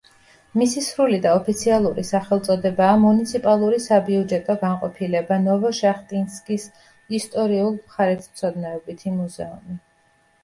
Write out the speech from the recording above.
მისი სრული და ოფიციალური სახელწოდებაა „მუნიციპალური საბიუჯეტო განყოფილება ნოვოშახტინსკის ისტორიულ-მხარეთმცოდნეობითი მუზეუმი“.